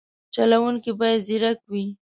چلوونکی باید ځیرک وي.